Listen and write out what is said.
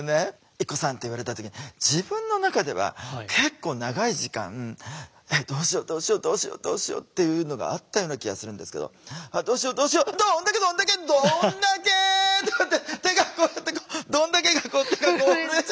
「ＩＫＫＯさん」って言われた時に自分の中では結構長い時間「えっどうしよどうしよどうしよどうしよ」っていうのがあったような気がするんですけど「どうしよどうしよどんだけどんだけどんだけ！」とかって手がこうやって「どんだけ」が手がこう震えちゃったんですよ。